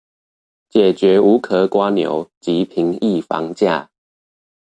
解決無殼蝸牛及平抑房價